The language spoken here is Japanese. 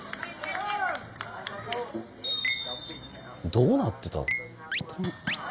どうなってた？